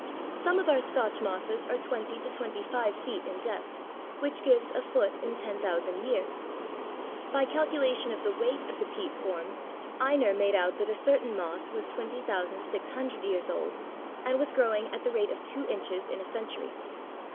Some of our Scotch mosses are twenty to twenty five feet in depth, which gives a foot in 10,000 years. By calculation of the weight of the peat formed, Aigner made out that a certain moss was 20,600 years old, and was growing at the rate of two inches in a century.